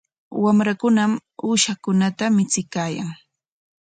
Wamrankunam uushankunata michiyan.